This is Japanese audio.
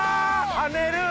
跳ねる。